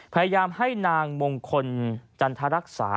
พยายามให้นางมงคลจันทรรักษา